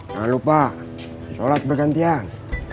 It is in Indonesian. jangan lupa sholat bergantian